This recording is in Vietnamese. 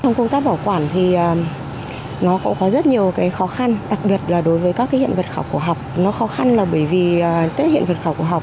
nó khó khăn là bởi vì hiện vật khảo cổ học